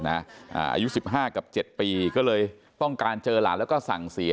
อายุ๑๕กับ๗ปีก็เลยต้องการเจอหลานแล้วก็สั่งเสีย